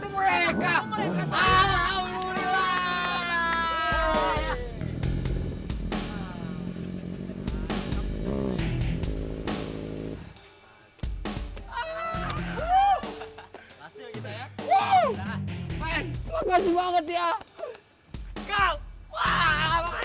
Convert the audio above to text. kan brother lu lagi seneng banget